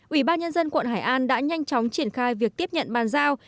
ủy ban nhân dân quận hải an đã nhanh chóng triển khai việc tiếp nhận bàn giao